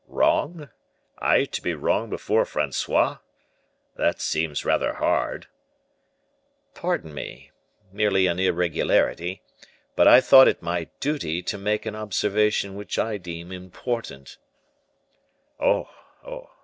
"Wrong? I to be wrong before Francois? that seems rather hard." "Pardon me, merely an irregularity. But I thought it my duty to make an observation which I deem important." "Oh!